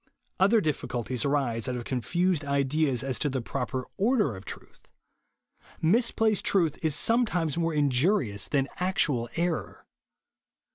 Other difficulties arise out of confused JESUS ONLY. 189 ideas as to the proper order of truth. Misplaced truth is sometimes more injuri ous than actual error.